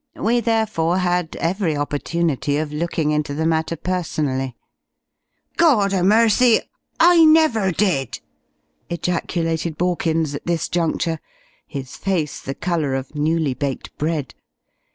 We therefore had every opportunity of looking into the matter personally." "Gawdamercy! I never did!" ejaculated Borkins, at this juncture, his face the colour of newly baked bread.